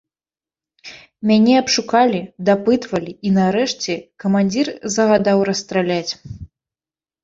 Мяне абшукалі, дапытвалі, і нарэшце камандзір загадаў расстраляць.